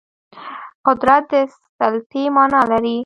قدرت د سلطې معنا لري